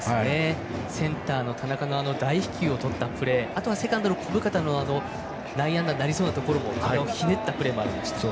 センターの大飛球をとったプレーあとはセカンドの小深田の内野安打のプレーもひねったところもありました。